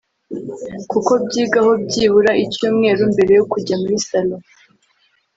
kuko byigaho byibura icyumweru mbere yo kujya muri salo”